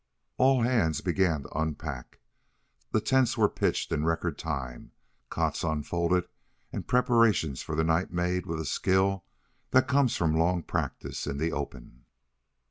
All hands began to unpack. The tents were pitched in record time, cots unfolded and preparations for the night made with a skill that comes from long practice in the open.